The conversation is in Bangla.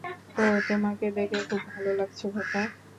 ওহ, তোমাকে দেখে খুব ভালো লাগছে, খোকা।